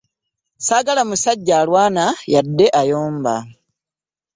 Ssagala musajja alwana yadde okuyomba.